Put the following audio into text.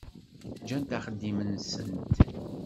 Gant axeddim-nsent.